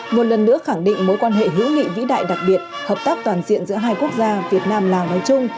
một lần nữa khẳng định mối quan hệ hữu nghị vĩ đại đặc biệt hợp tác toàn diện giữa hai quốc gia việt nam lào nói chung